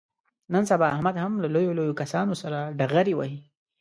نن سبا احمد هم له لویو لویو کسانو سره ډغرې وهي.